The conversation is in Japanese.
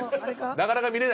なかなか見れないよ。